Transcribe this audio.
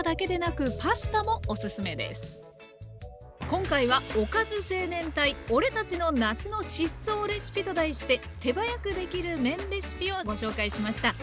今回は「おかず青年隊俺たちの夏の疾走レシピ！」と題して手早くできる麺レシピをご紹介しました。